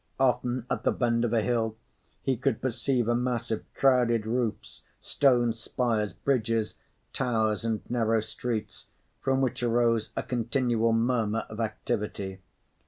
Often, at the bend of a hill, he could perceive a mass of crowded roofs, stone spires, bridges, towers and narrow streets, from which arose a continual murmur of activity.